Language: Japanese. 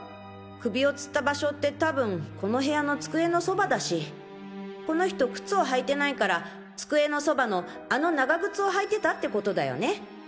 首を吊った場所って多分この部屋の机のそばだしこの人靴を履いてないから机のそばのあの長靴を履いてたって事だよね？